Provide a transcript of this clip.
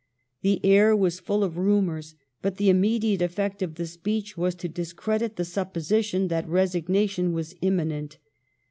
The air was full of rumors, but the immediate effect of the speech was to discredit the supposition that resignation was imminent.